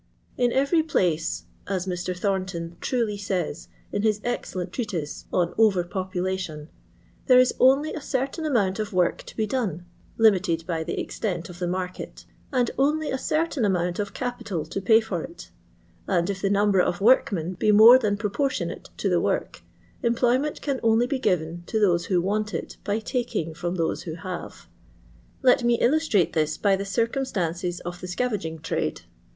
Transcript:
" In every place, as Mr. Thornton truly says in his excellent treatise on " Over Population," " there is only a certain amount of work to be done," (limited by the extent of the market) "and only a certain amount of capital to pay for it ; and, if the number of workmen be more than propor tionate to the work, employment can only be given to those who want it by taking from those who have." Let me illustrate this by the circumstances of the scavaging trade.